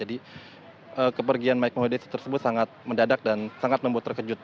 jadi kepergian mike mohede tersebut sangat mendadak dan sangat membuat terkejut